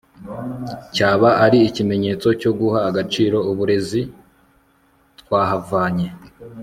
cyaba ari ikimenyetso cyo guha agaciro uburezi twahavanye